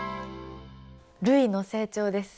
るいの成長です。